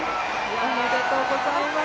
おめでとうございます。